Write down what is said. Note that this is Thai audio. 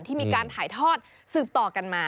ที่มีการถ่ายทอดสืบต่อกันมา